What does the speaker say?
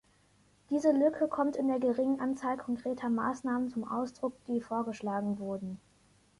Diese Lücke kommt in der geringen Anzahl konkreter Maßnahmen zum Ausdruck, die vorgeschlagen wurden.